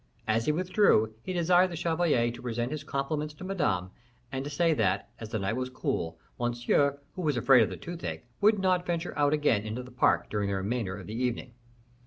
As he withdrew, he desired the chevalier to present his compliments to Madame, and say that, as the night was cool, Monsieur, who was afraid of the toothache, would not venture out again into the park during the remainder of the evening.